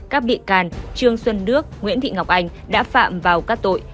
các bị can trương xuân đức nguyễn thị ngọc anh đã phạm vào các tội